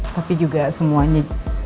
tapi juga semuanya